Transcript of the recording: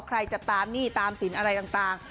ใครจะตามหนี้ตามสินอะไรต่าง